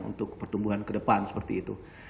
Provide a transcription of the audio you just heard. untuk pertumbuhan ke depan seperti itu